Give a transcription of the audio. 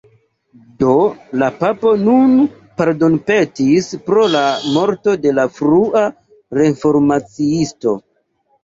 Do, la papo nun pardonpetis pro la morto de la frua reformaciisto.